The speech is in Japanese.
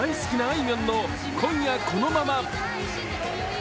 あいみょんの「今夜このまま」。